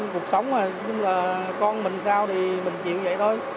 cuộc sống là con mình sao thì mình chịu vậy thôi